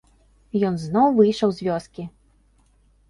Ён зноў выйшаў з вёскі.